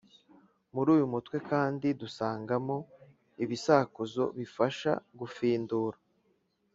muri uyu mutwe kandi dusangamo ibisakuzo bifasha gufindura